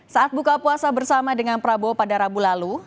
saat buka puasa bersama dengan prabowo pada rabu lalu